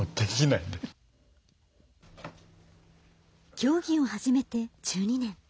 競技を始めて１２年。